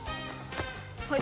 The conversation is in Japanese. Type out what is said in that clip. はい。